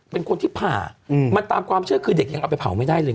เป็นคนที่ผ่ามันตามความเชื่อคือเด็กยังเอาไปเผาไม่ได้เลย